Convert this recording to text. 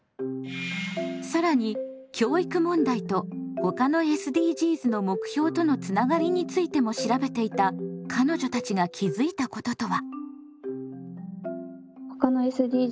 更に教育問題とほかのＳＤＧｓの目標とのつながりについても調べていた彼女たちが気付いたこととは？